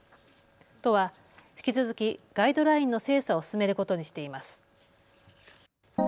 都は引き続きガイドラインの精査を進めることにしています。